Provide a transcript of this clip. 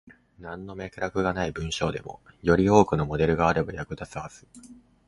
なんの脈絡がない文章でも、より多くのモデルがあれば役立つはず。